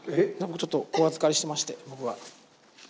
ちょっとお預かりしてまして僕が。